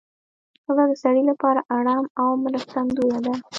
ښځه د سړي لپاره اړم او مرستندویه ده